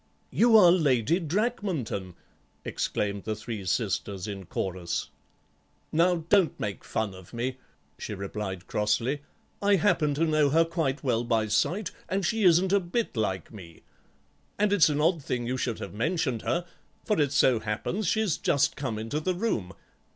"You are Lady Drakmanton," exclaimed the three sisters in chorus. "Now, don't make fun of me," she replied, crossly, "I happen to know her quite well by sight, and she isn't a bit like me. And it's an odd thing you should have mentioned her, for it so happens she's just come into the room.